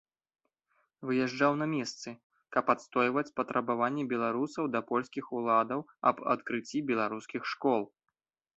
Выязджаў на месцы, каб адстойваць патрабаванні беларусаў да польскіх уладаў аб адкрыцці беларускіх школ.